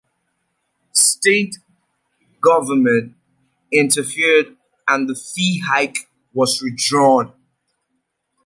State government interfered and the fee hike was withdrawn.